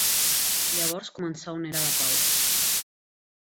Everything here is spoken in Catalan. Llavors començà una era de pau.